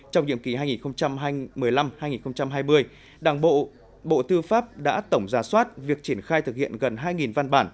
trong nhiệm kỳ hai nghìn một mươi năm hai nghìn hai mươi đảng bộ bộ tư pháp đã tổng ra soát việc triển khai thực hiện gần hai văn bản